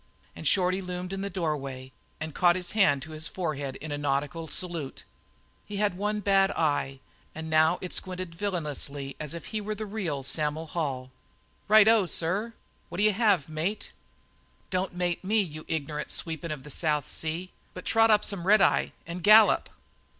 Shorty loomed in the doorway and caught his hand to his forehead in a nautical salute. He had one bad eye, and now it squinted as villainously as if he were the real Sam'l Hall. "Righto sir. What'll you have, mate?" "Don't mate me, you igner'nt sweepin' of the South Sea, but trot up some red eye and gallop."